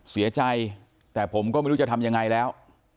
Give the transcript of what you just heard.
เสียใจแต่ผมก็ไม่รู้จะทำยังไงแล้ว